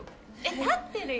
たってるよ。